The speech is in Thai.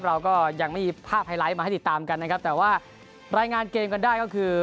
เราก็ยังไม่มีภาพไฮไลท์มาให้ติดตามกันนะครับแต่ว่ารายงานเกมกันได้ก็คือ